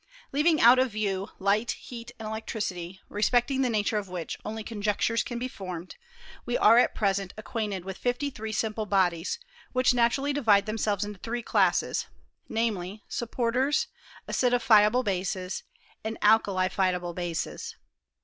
Leaving out of view light, heat, and electricity, respecting the nature of which only conjectures can be formed, we are at present acquainted with fifty three simple bodies, which naturally divide them selves into three classes ; namely, supporters, acidi^ Jiable bases, and alkalifiable hoses.